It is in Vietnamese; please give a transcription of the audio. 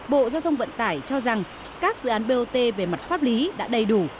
bộ giao thông vận tải cho rằng các dự án bot về mặt pháp lý đã đầy đủ